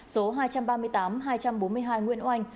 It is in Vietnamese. số hai trăm ba mươi tám hai trăm bốn mươi hai nguyễn oanh